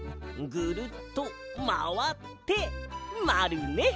ぐるっとまわってまるね。